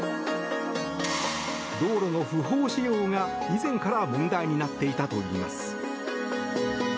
道路の不法使用が、以前から問題になっていたといいます。